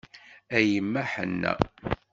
A yemma ḥenna.